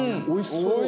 おいしい！